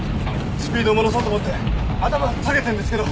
スピードを戻そうと思って頭下げてんですけど。